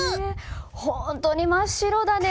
本当に真っ白だね。